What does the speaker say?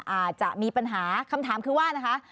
อาจจะมีปัญหาคำถามคือว่านะคะ